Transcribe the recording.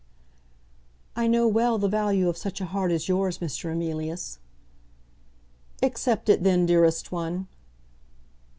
"I know well the value of such a heart as yours, Mr. Emilius." "Accept it then, dearest one."